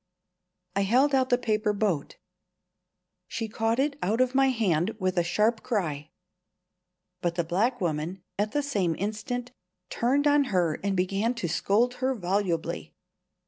I held out the paper boat. She caught it out of my hand with a sharp cry. But the black woman, at the same instant, turned on her and began to scold her volubly.